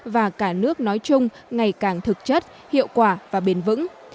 và cả nước nói chung ngày càng thực chất hiệu quả và bền vững